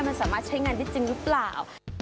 มันสามารถใช้งานได้จริงหรือเปล่า